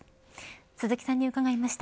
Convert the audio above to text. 鈴木さんに伺いました。